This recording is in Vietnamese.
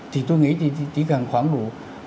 thì tôi nghĩ chỉ cần khoảng đủ